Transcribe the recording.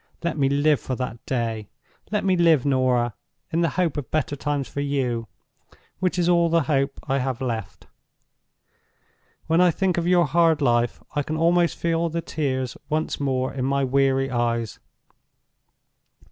Let me live for that day! Let me live, Norah, in the hope of better times for you, which is all the hope I have left. When I think of your hard life, I can almost feel the tears once more in my weary eyes.